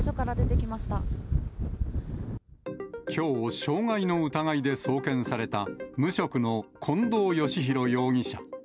きょう、傷害の疑いで送検された、無職の近藤芳弘容疑者。